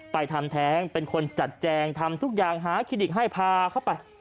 ทำแท้งเป็นคนจัดแจงทำทุกอย่างหาคลินิกให้พาเข้าไป